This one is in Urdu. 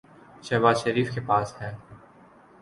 شہباز شریف کے پاس ہے۔